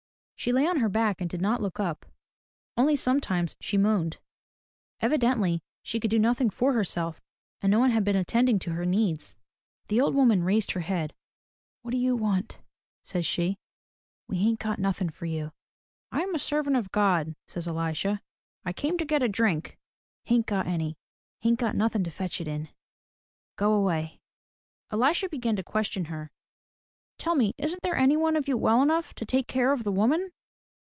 She lay on her back and did not look up. Only sometimes she moaned. Evidently she could do nothing for herself and no one had been attending to her needs. The old woman raised her head. "What do you want?" says she. "We hain't got nothing for you. " I am a servant of God, says Elisha. " I came to get a drink.*' " Hain*t got any. Hain't got nothing to fetch it in. Go away." EUsha began to question her. "Tell me, isn't there any one of you well enough to take care of the woman?"